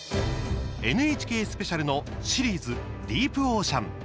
ＮＨＫスペシャルのシリーズ「ディープ・オーシャン」。